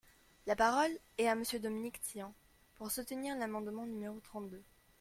La parole est à Monsieur Dominique Tian, pour soutenir l’amendement numéro trente-deux.